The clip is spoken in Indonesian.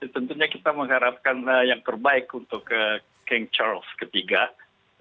tentunya kita mengharapkan yang terbaik untuk king charles iii